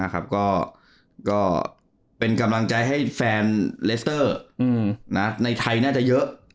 ก็เป็นกำลังใจให้แฟนเลสเตอร์ในไทยน่าจะเยอะ